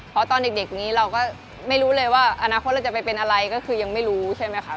เพราะตอนเด็กนี้เราก็ไม่รู้เลยว่าอนาคตเราจะไปเป็นอะไรก็คือยังไม่รู้ใช่ไหมคะ